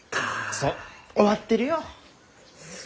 そう終わってるよ。